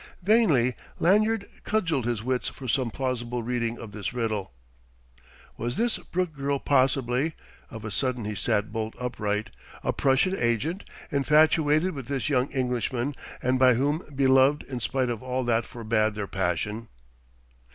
Vainly Lanyard cudgelled his wits for some plausible reading of this riddle. Was this Brooke girl possibly (of a sudden he sat bolt upright) a Prussian agent infatuated with this young Englishman and by him beloved in spite of all that forbade their passion?